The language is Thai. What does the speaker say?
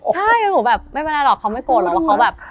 ใช่หนูแบบไม่เป็นไรหรอกเขาไม่โกรธหรอกว่าเขาแบบ